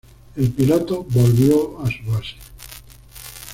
El piloto volvió a su base.